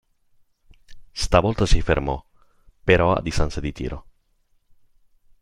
Stavolta si fermò però a distanza di tiro.